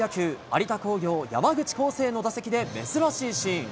有田工業、山口こうせいの打席で珍しいシーン。